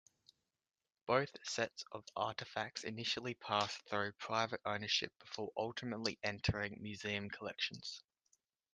Both sets of artifacts initially passed through private ownership before ultimately entering museum collections.